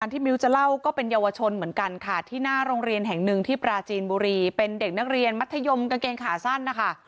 มิ้วจะเล่าก็เป็นเยาวชนเหมือนกันค่ะที่หน้าโรงเรียนแห่งหนึ่งที่ปราจีนบุรีเป็นเด็กนักเรียนมัธยมกางเกงขาสั้นนะคะ